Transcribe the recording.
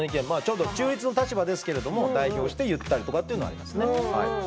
中立の立場ですけどみんなを代表して言ったりということもあります。